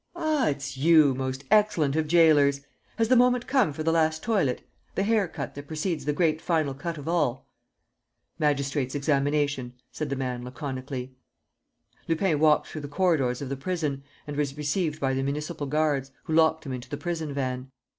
"Ah, it's you, most excellent of jailers! Has the moment come for the last toilet? The hair cut that precedes the great final cut of all?" "Magistrate's examination," said the man, laconically. Lupin walked through the corridors of the prison and was received by the municipal guards, who locked him into the prison van.